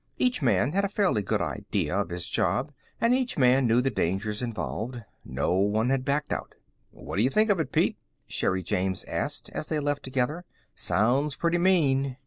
Each man had a fairly good idea of his job and each man knew the dangers involved. No one had backed out. "What d'ye think of it, Pete?" Sherri James asked, as they left together. "Sounds pretty mean."